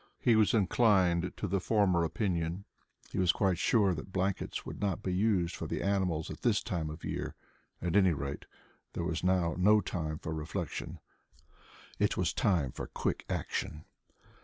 He was inclined to the former opinion. He was quite sure that blankets would not be used for the animals at this time of the year. At any rate there was now no time for reflection. It was a time for quick action.